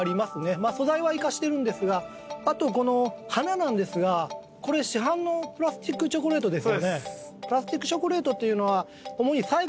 まあ素材は生かしてるんですがあとこの花なんですがこれ市販のプラスチックチョコレートですよね？